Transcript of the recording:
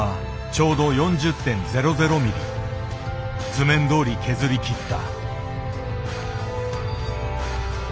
図面どおり削りきった。